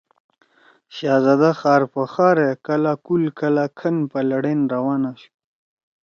شہزَدا خار پو خارے، کلہ کُول کلہ کھن پلَڑین روان آشُو۔